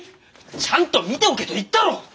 ちゃんと見ておけと言ったろ！